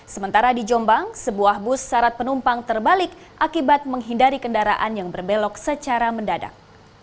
sementara di jombang sebuah bus syarat penumpang terbalik akibat menghindari kendaraan yang berbelok secara mendadak